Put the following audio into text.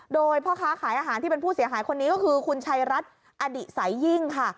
โดยพ่อค้าขายอาหารที่เป็นผู้เสียหายคนนี้ก็คือคุณชัยรัฐอดิสัยยิ่งค่ะ